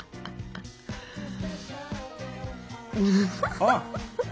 あっ！